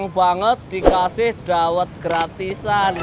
banget dikasih dawet gratisan